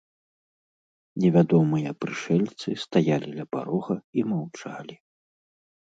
Невядомыя прышэльцы стаялі ля парога і маўчалі.